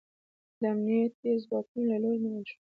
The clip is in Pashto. د امنیتي ځواکونو له لوري نیول شوی